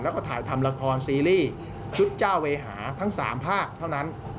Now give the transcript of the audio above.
แล้วก็ถ่ายทำละครซีรีส์ชุดเจ้าเวหาทั้ง๓ภาคเท่านั้น